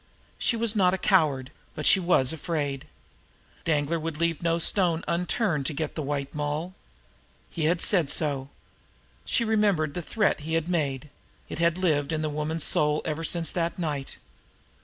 She was not a coward; but she was afraid. Danglar would leave no stone unturned to get the White Moll. He had said so. She remembered the threat he had made it had lived in her woman's soul ever since that night.